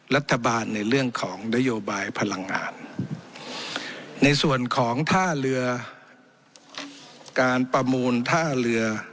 รัฐบาลในเรื่องของนโยบายพลังงานในส่วนของท่าเรือการประมูลท่าเรือ